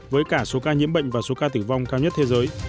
với cả số ca nhiễm bệnh và số ca tử vong cao nhất thế giới